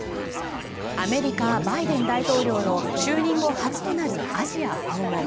アメリカ、バイデン大統領の就任後初となるアジア訪問。